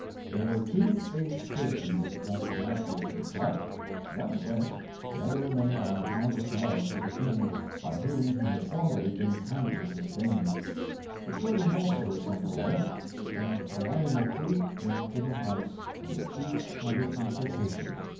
There were two aged persons thus directed to depart; one went, the other remained on account of love to the King, by whom he had formerly been kindly sustained. The children also were sent away. Then Kalaimoku came to the house, and the chiefs had a consultation.